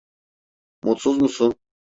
Mutsuz musun?